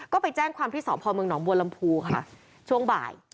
ก็ไปแจ้งความที่สพเมืองหนองบัวลำพูค่ะช่วงบ่าย